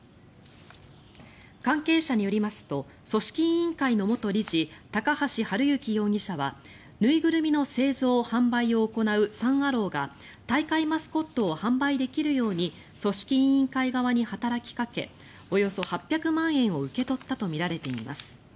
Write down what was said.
関係者によりますと組織委員会の元理事高橋治之容疑者は縫いぐるみの製造・販売を行うサン・アローが大会マスコットを販売できるように組織委員会側に働きかけおよそ８００万円を受け取ったとみられています。